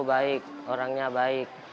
baik orangnya baik